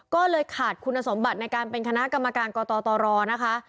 ก็เลยขาดคุณสมบัติในการเป็นคณะกรรมการกตรนะคะ